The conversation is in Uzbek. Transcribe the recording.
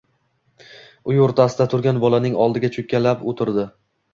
Uy o'rtasida turgan bolaning oldiga cho'kkalab o'tirdi.